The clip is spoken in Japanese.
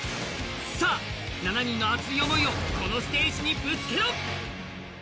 さあ、７人の熱い思いをこのステージにぶつけろ！